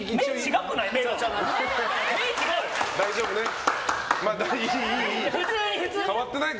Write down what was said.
目、違くない？